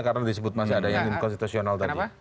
karena disebut masih ada yang inkonstitusional tadi